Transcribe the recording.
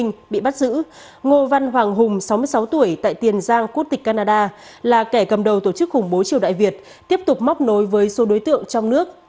ngô văn hoàng hùng sáu mươi sáu tuổi tại tiền giang quốc tịch canada là kẻ cầm đầu tổ chức khủng bố triều đại việt tiếp tục móc nối với số đối tượng trong nước